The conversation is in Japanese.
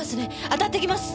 当たってきます！